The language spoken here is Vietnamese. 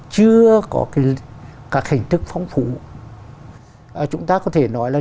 chưa có các hình thức phong phú chúng ta có thể nói là